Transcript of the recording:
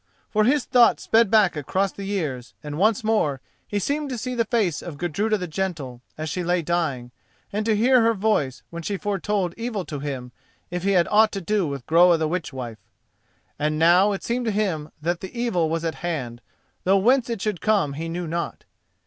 For his thought sped back across the years and once more he seemed to see the face of Gudruda the Gentle as she lay dying, and to hear her voice when she foretold evil to him if he had aught to do with Groa the Witch wife. And now it seemed to him that the evil was at hand, though whence it should come he knew not.